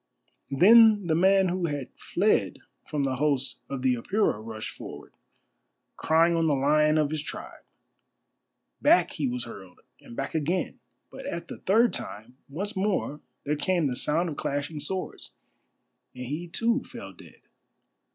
Then the man who had fled from the host of the Apura rushed forward, crying on the Lion of his tribe. Back he was hurled, and back again, but at the third time once more there came the sound of clashing swords, and he too fell dead.